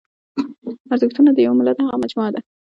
ارزښتونه د یوه ملت هغه مجموعه ده.